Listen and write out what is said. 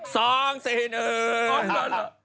สองสินเออ